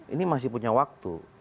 ini masih punya waktu